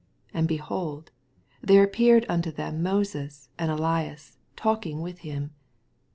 8 And, behold, there appeared unto them Moses ana Ellas talking with him.